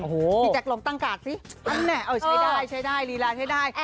พี่แจกลงตั้งกากสิใช้ได้ใช้ได้ลีลาใช้ได้